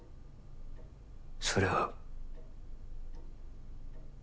それは。